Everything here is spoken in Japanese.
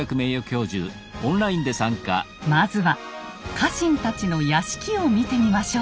まずは家臣たちの屋敷を見てみましょう。